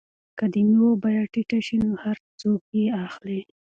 که د مېوو بیه ټیټه شي نو هر څوک یې اخلي.